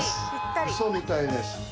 ウソみたいです。